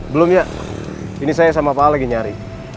belum ya ini saya sama pak ale lagi nyari